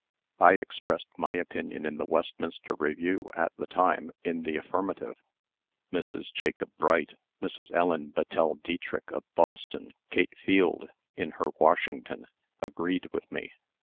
I expressed my opinion in the Westminster Review, at the time, in the affirmative. Mrs. Jacob Bright, Mrs. Ellen Battelle Dietrick of Boston, Kate Field, in her Washington, agreed with me.